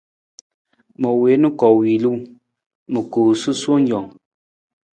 Ma wiin koowilu, ma koo sasuwe jang.